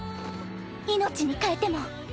命に代えても。